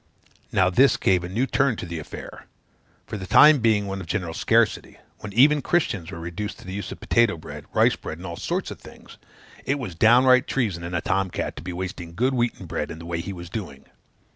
Now this gave a new turn to the affair; for the time being one of general scarcity, when even Christians were reduced to the use of potato bread, rice bread, and all sorts of things, it was downright treason in a tom cat to be wasting good wheaten bread in the way he was doing.